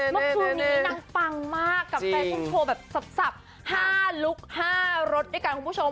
เมื่อคืนนี้นางปังมากกับแฟนคุณโชว์แบบสับ๕ลุค๕รถด้วยกันคุณผู้ชม